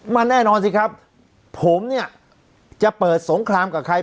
มันแน่นอนสิครับผมเนี่ยจะเปิดสงครามกับใคร